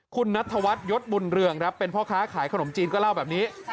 คุณนัทธวัฒนยศบุญเรืองครับเป็นพ่อค้าขายขนมจีนก็เล่าแบบนี้